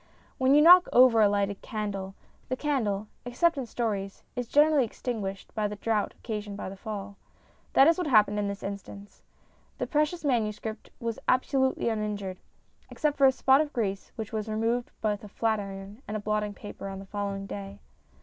When you knock over a lighted candle, the candle (except in stories) is generally extinguished by the draught occasioned by the fall. That is what happened in this instance. The precious manuscript was absolutely uninjured, except for a spot of grease which was removed with a flat iron and blotting paper on the following day.